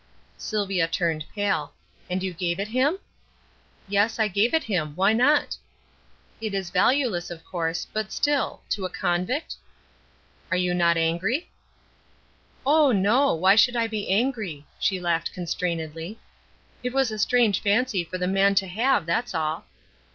Sylvia turned pale. "And you gave it him?" "Yes, I gave it him. Why not?" "It was valueless, of course, but still to a convict?" "You are not angry?" "Oh, no! Why should I be angry?" she laughed constrainedly. "It was a strange fancy for the man to have, that's all."